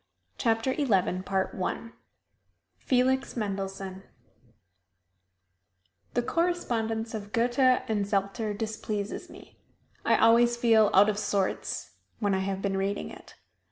[Illustration: FELIX MENDELSSOHN] FELIX MENDELSSOHN The correspondence of Goethe and Zelter displeases me. I always feel out of sorts when I have been reading it.